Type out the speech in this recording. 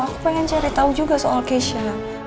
aku pengen cari tahu juga soal keisha